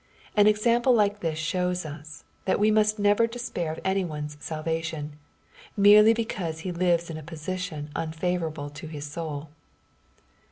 An example like this shows us, that we must nevei despair of any one's salvation, merely because he lives in a position unfavorable to his soul.